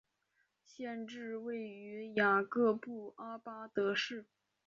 县治位于雅各布阿巴德市。